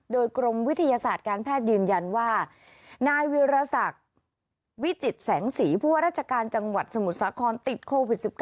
โดยกรมวิทยาศาสตร์การแพทย์ยืนยันว่านายวิรสักวิจิตแสงสีผู้ว่าราชการจังหวัดสมุทรสาครติดโควิด๑๙